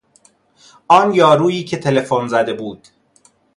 آن یارویی که تلفن زده بود